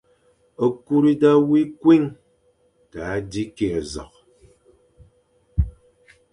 « kuri da wi kwuign da zi kig zokh.